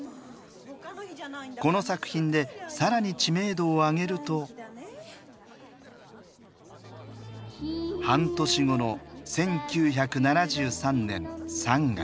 この作品で更に知名度を上げると半年後の１９７３年３月。